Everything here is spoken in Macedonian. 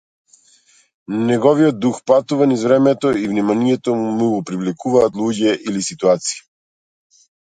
Неговиот дух патува низ времето и вниманието му го привлекуваат луѓе или ситуации.